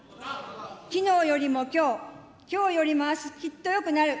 きのうよりもきょう、きょうよりもあす、きっとよくなる。